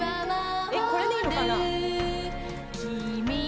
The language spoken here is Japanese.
・えっこれでいいのかな？